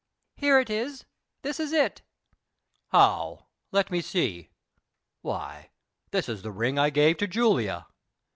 "Here it is this is it." "How? Let me see. Why, this is the ring I gave to Julia."